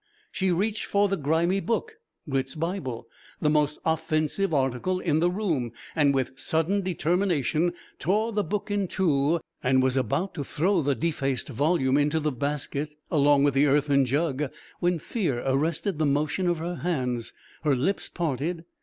She reached for the grimy book, "Grit's Bible," the most offensive article in the room, and with sudden determination tore the book in two, and was about to throw the defaced volume into the basket along with the earthen jug when fear arrested the motion of her hands. Her lips parted.